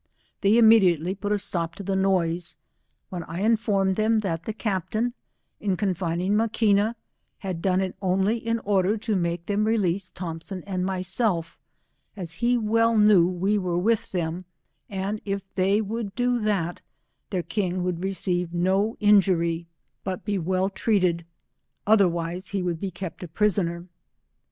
They immediately put a stop to the noise, when I informed them that ijiie captain, in confining Maquina, had done it «ilv in order to make them release Thompson and 187 myself, as he well knew we were with them, and if they would do that, their King would receive uo injury, but be well treated, otherwise he would be kept a prisoner.